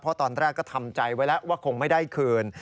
เพราะตอนแรกก็ทำใจไว้แล้วว่าคงไม่ได้คืน